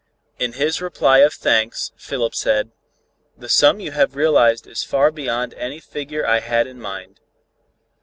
In his reply of thanks, Philip said, "The sum you have realized is far beyond any figure I had in mind.